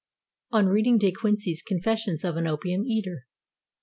_On reading De Quincey's "Confessions of an Opium Eater."